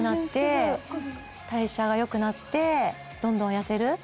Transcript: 全然違う代謝がよくなってどんどん痩せる？